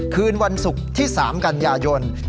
คืนวันศุกร์ที่๓กันยายน